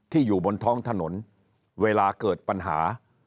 อยู่บนท้องถนนเวลาเกิดปัญหา